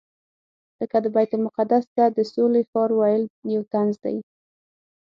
لکه د بیت المقدس ته د سولې ښار ویل یو طنز دی.